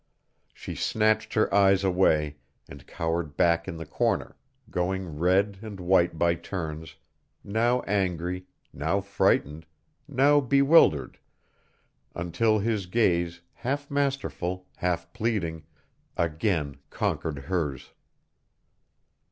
She snatched her eyes away, and cowered back in the corner, going red and white by turns, now angry, now frightened, now bewildered, until his gaze, half masterful, half pleading, again conquered hers.